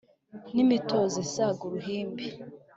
n ' imitozo isaga uruhimbi,